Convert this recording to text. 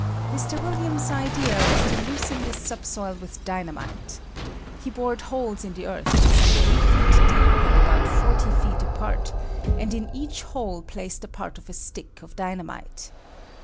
Mr. Williams' idea was to loosen this subsoil with dynamite. He bored holes in the earth some 3 feet deep and about 40 feet apart, and in each hole placed a part of a stick of dynamite.